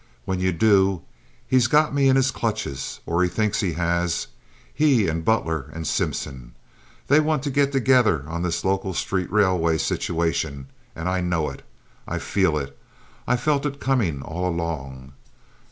When you do, he's got me in his clutches, or he thinks he has—he and Butler and Simpson. They want to get together on this local street railway situation, and I know it, I feel it. I've felt it coming all along.